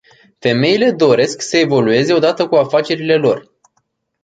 Femeile doresc să evolueze odată cu afacerile lor.